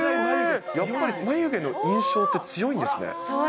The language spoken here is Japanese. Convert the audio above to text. やっぱり眉毛の印象って、そうですね。